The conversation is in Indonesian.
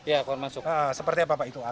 ya keluar masuk seperti apa pak itu